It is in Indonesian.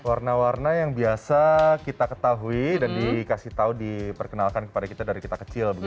warna warna yang biasa kita ketahui dan dikasih tahu diperkenalkan kepada kita dari kita kecil